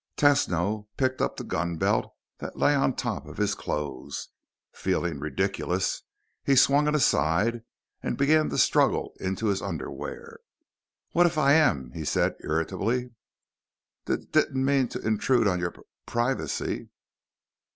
Tesno picked up the gunbelt that lay on top of his clothes. Feeling ridiculous, he swung it aside and began to struggle into his underwear. "What if I am?" he said irritably. "D didn't mean to intrude on your p privacy."